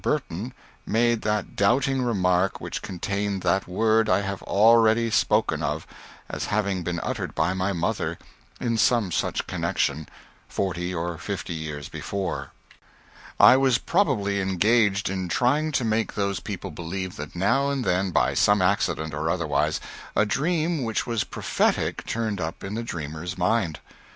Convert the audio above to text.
Burton made that doubting remark which contained that word I have already spoken of as having been uttered by my mother, in some such connection, forty or fifty years before. I was probably engaged in trying to make those people believe that now and then, by some accident, or otherwise, a dream which was prophetic turned up in the dreamer's mind.